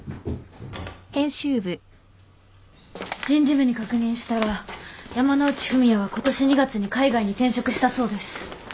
人事部に確認したら山之内文哉はことし２月に海外に転職したそうです。